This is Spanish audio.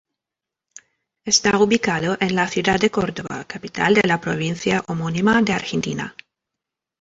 Está ubicado en la ciudad de Córdoba, capital de la provincia homónima de Argentina.